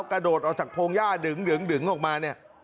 กระโดดออกจากโพงหญ้าดึ๋งดึ๋งดึ๋งออกมาเนี่ย